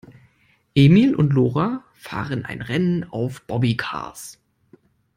Emil und Lora fahren ein Rennen auf Bobbycars.